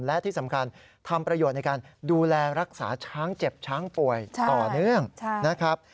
และที่สำคัญทำประโยชน์ในการดูแลรักษาช้างเจ็บช้างป่วยต่อเนื่องนะครับ